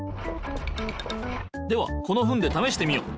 ではこのフンでためしてみよう。